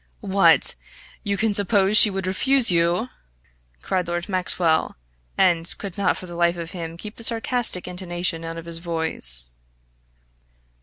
"What, you can suppose she would refuse you!" cried Lord Maxwell, and could not for the life of him keep the sarcastic intonation out of his voice.